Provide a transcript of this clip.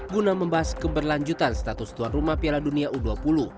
guna membahas keberlanjutan status tuan rumah piala dunia u dua puluh